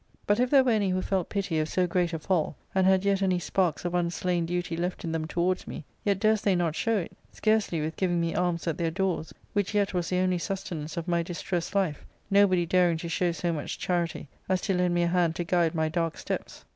But if there were any who felt pity of so great a fall, and had yet any sparks of unslain duty left in them towards me, yet durst they not show it, scarcely with giving me alms at their doors — which yet was the only sustenance of my distressed life — nobody daring to show so much charity as to lend me a hand to guide my dark steps.